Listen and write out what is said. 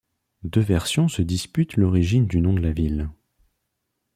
Deux versions se disputent l’origine du nom de la ville.